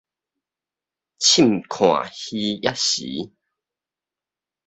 踸看虛抑實